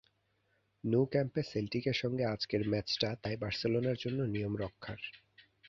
Nou ক্যাম্পে সেল্টিকের সঙ্গে আজকের ম্যাচটা তাই বার্সেলোনার জন্য নিয়ম রক্ষার।